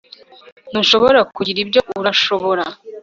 Ntushobora kugura ibyo urashobora